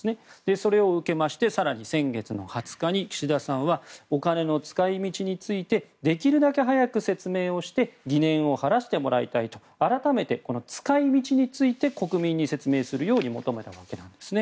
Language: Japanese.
それを受けまして更に先月の２０日に岸田さんはお金の使い道についてできるだけ早く説明して疑念を晴らしてもらいたいと改めて使い道について国民に説明するように求めたわけなんですね。